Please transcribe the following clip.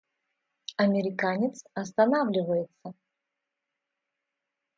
Американец останавливается.